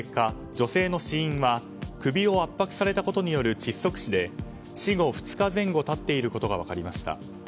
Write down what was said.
女性の死因は首を圧迫されたことによる窒息死で死後２日前後経っていることが分かりました。